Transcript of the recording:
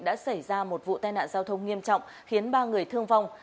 đã xảy ra một vụ tai nạn giao thông nghiêm trọng khiến ba người thương vong